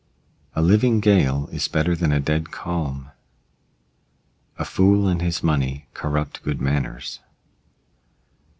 A living gale is better than a dead calm. A fool and his money corrupt good manners.